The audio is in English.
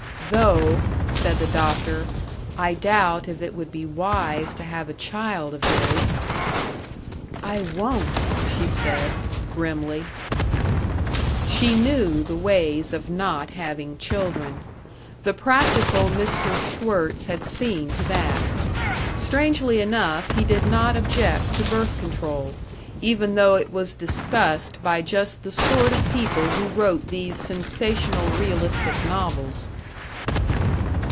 "Though," said the doctor, "I doubt if it would be wise to have a child of his." "I won't!" she said, grimly. She knew the ways of not having children. The practical Mr. Schwirtz had seen to that. Strangely enough, he did not object to birth control, even though it was discussed by just the sort of people who wrote these sensational realistic novels.